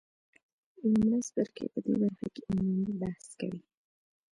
لومړی څپرکی په دې برخه کې عمومي بحث کوي.